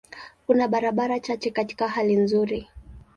Kuna barabara chache katika hali nzuri.